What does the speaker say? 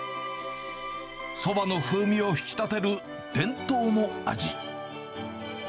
そばの風味を引き立てる伝統の味。